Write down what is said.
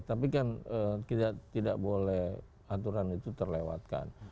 tapi kan tidak boleh aturan itu terlewatkan